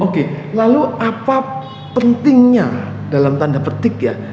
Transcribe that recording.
oke lalu apa pentingnya dalam tanda petik ya